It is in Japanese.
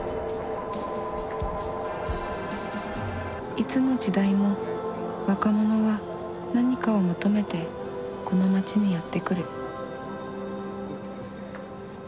いつの時代も若者は何かを求めてこの街にやって来る。